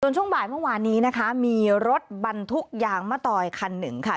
ช่วงบ่ายเมื่อวานนี้นะคะมีรถบรรทุกยางมะตอยคันหนึ่งค่ะ